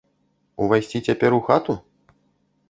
Увайсці цяпер у хату?